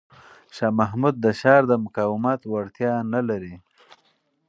شاه محمود د ښار د مقاومت وړتیا نه لري.